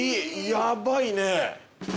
やばいね！